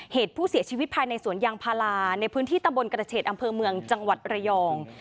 เหตุผู้เสียชีวิตภายในสวนยางพาราในพื้นที่ตำบลกระเฉดอำเภอเมืองจังหวัดระยอง